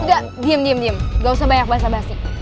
udah diem diem diem gak usah banyak bahasa basi